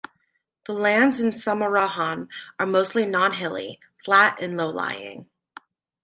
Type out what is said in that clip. The lands in Samarahan are mostly non-hilly, flat and low-lying.